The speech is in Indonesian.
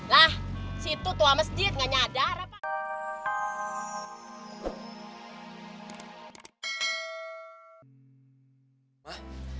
lah situ tua masjid gak nyadar apa